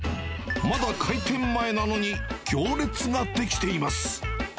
まだ開店前なのに行列が出来ています。